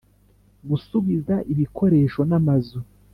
Gusubiza Ibikoresho n’amazu